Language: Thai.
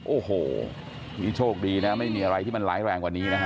โอ้โหนี่โชคดีนะไม่มีอะไรที่มันร้ายแรงกว่านี้นะฮะ